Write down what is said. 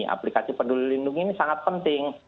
aplikasi peduli lindungi ini sangat penting